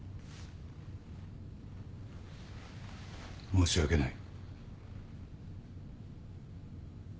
申し訳ない。